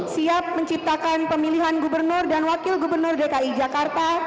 siap menciptakan pemilihan gubernur dan wakil gubernur dki jakarta